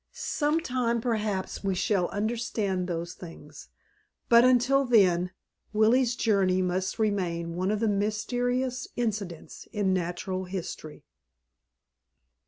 Some time, perhaps, we shall understand those things; but until then, Willie's journey must remain one of the mysterious incidents in natural history.